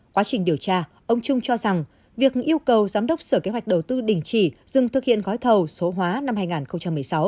quá trình điều tra ông trung cho rằng việc yêu cầu giám đốc sở kế hoạch đầu tư đình chỉ dừng thực hiện gói thầu số hóa năm hai nghìn một mươi sáu